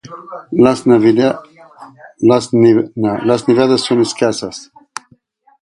Las nevadas son escasas.